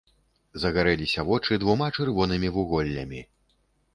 Загарэліся вочы двума чырвонымі вуголлямі.